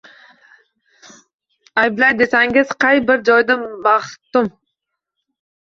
Ayblay desangiz – qay bir joyda maxdum